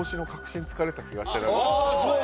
ああそう？